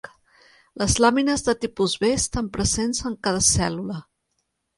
Les làmines de tipus B estan presents en cada cèl·lula.